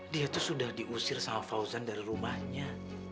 dia itu sudah diusir sama fauzan dari rumahnya